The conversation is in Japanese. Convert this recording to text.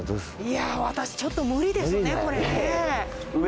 いやあ私ちょっと無理ですねこれね。